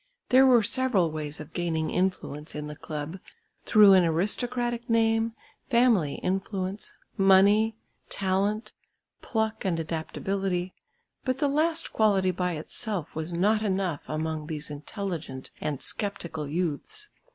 There were several ways of gaining influence in the club, through an aristocratic name, family influence, money, talent, pluck and adaptability, but the last quality by itself was not enough among these intelligent and sceptical youths.